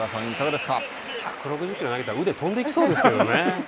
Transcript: １６０キロ投げたら腕が飛んでいきそうですけどね。